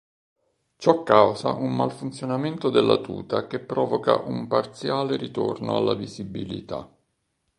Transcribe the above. Ciò causa un malfunzionamento della tuta che provoca un parziale ritorno alla visibilità.